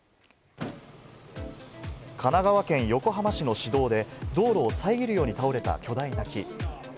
神奈川県横浜市の市道で、道路をさえぎるように倒れた巨大な木。